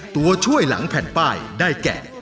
ตัวช่วยหลังแผ่นป้ายได้แก่